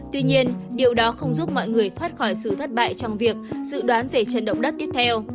tuy nhiên điều đó không giúp mọi người thoát khỏi sự thất bại trong việc dự đoán về trận động đất tiếp theo